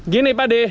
gini pak deh